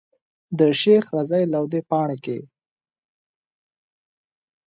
د شيخ رضی لودي پاړکی.